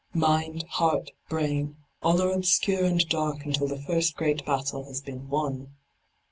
Mind, heart, brain, all are obscure and dark until the first great battle has been won.